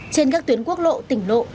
trên các tuyến quốc lộ tỉnh lộ